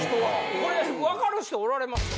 これわかる人おられますか？